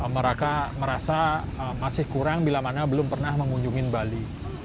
mereka merasa masih kurang bila mana belum pernah mengunjungi bali